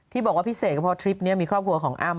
ที่บอกว่าพิเศษกับพอทริปนี้มีครอบครัวของอั้ม